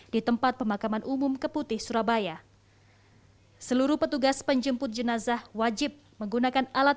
di tempat pemakaman umum keputih surabaya seluruh petugas penjemput jenazah wajib menggunakan alat